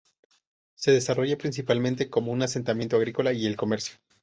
Se desarrolla principalmente como un asentamiento agrícola y el comercio.